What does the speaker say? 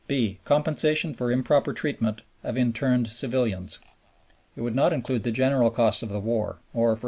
(b) Compensation for improper treatment of interned civilians. It would not include the general costs of the war, or (_e.